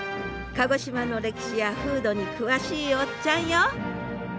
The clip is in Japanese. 鹿児島の歴史や風土に詳しいおっちゃんよ！